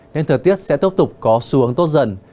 nên thời tiết sẽ tốc tục có xu hướng tốt dần